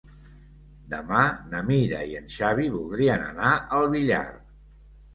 Demà na Mira i en Xavi voldrien anar al Villar.